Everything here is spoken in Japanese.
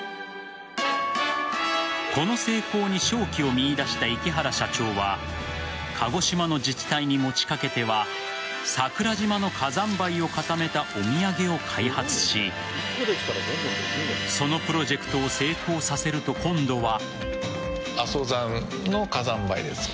この成功に商機を見いだした池原社長は鹿児島の自治体に持ちかけては桜島の火山灰を固めたお土産を開発しそのプロジェクトを成功させると今度は。